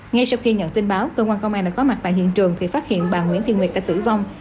ngay sau khi nhận tin báo cơ quan công an đã có mặt tại hiện trường thì phát hiện bà nguyễn thị nguyệt đã tử vong